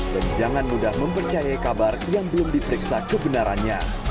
dan jangan mudah mempercayai kabar yang belum diperiksa kebenarannya